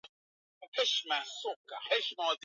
Tunataka Alexa aelewe Kiswahili